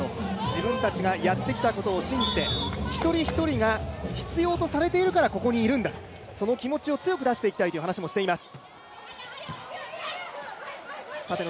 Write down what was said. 自分たちがやってきたことを信じて１人１人が必要とされているからここにいるんだその気持ちを強く出していきたいという話もしています。